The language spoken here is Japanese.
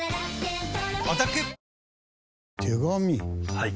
はい。